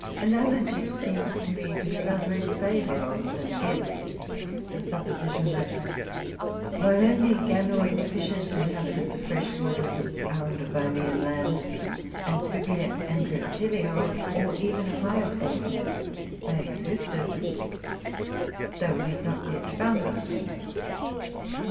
Analogy seems to me to be rather in favour of, than against, the supposition that while only Ganoid fishes inhabited the fresh waters of our Devonian land, Amphibia and Reptilia, or even higher forms, may have existed, though we have not yet found them.